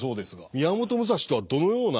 宮本武蔵とはどのような？